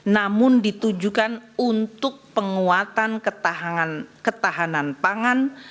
namun ditujukan untuk penguatan ketahanan pangan